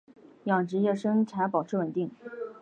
养殖业生产保持稳定。